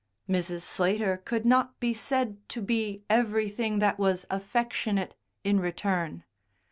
Mrs. Slater could not be said to be everything that was affectionate in return.